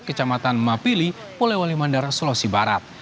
kecamatan mapili pulau alimandar sulawesi barat